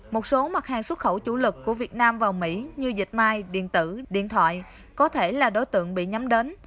một số mặt hàng xuất khẩu chủ lực của việt nam vào mỹ như dệt may điện tử điện thoại có thể là đối tượng bị nhắm đến